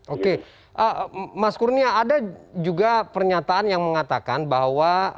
oke mas kurnia ada juga pernyataan yang mengatakan bahwa